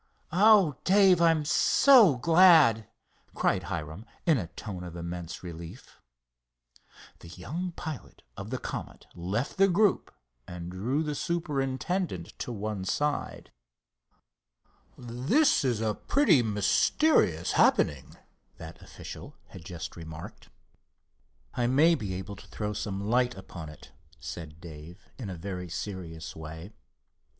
"Oh, Dave, I'm so glad!" cried Hiram, in a tone of immense relief. The young pilot of the Comet left the group and drew the superintendent to one side. "This is a pretty mysterious happening," that official had just remarked. "I may be able to throw some light upon it," said Dave, in a very serious way.